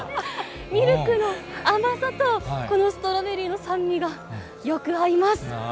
ミルクの甘さと、このストロベリーの酸味がよく合います。